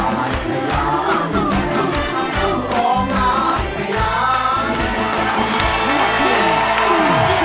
แล้วน้องใบบัวร้องได้หรือว่าร้องผิดครับ